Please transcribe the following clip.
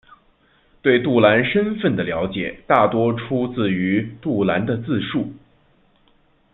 对杜兰身份的了解大多出自于杜兰的自述。